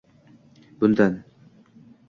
Bundan